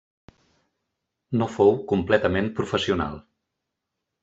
No fou completament professional.